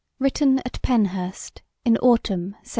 Written at Penhurst, in Autumn 1788.